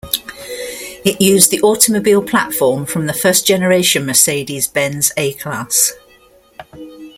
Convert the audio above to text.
It used the automobile platform from the first generation Mercedes-Benz A-Class.